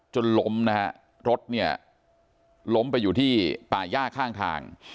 จนล้มนะฮะรถเนี่ยล้มไปอยู่ที่ป่าย่าข้างทาง